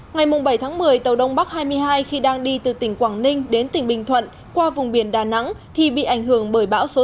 ngày bảy tháng một mươi tàu đông bắc hai mươi hai khi đang đi từ tỉnh quảng ninh đến tỉnh bình thuận qua vùng biển đà nẵng thì bị ảnh hưởng bởi bão số sáu